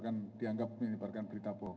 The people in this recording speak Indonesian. yang dianggap menyebarkan berita pak